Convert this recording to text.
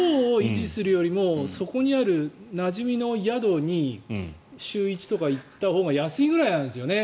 別荘を維持するよりもそこにあるなじみの宿とかに週１とか行ったほうが安いぐらいなんです。